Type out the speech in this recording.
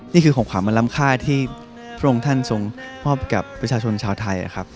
นี่คือของขวัญมาล้ำค่าที่พระองค์ท่านทรงมอบกับประชาชนชาวไทยนะครับ